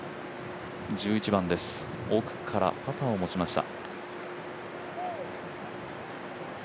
１１番です、奥からパターを持ちました。